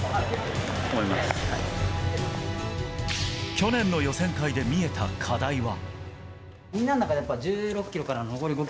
去年の予選会で見えた課題は。